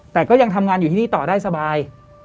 แต่ก็ยังทำงานอยู่ที่นี่ต่อได้สบาย